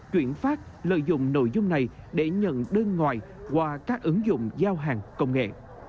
chuyển phát lợi dụng nội dung này để nhận đơn ngoài qua các ứng dụng giao hàng công nghệ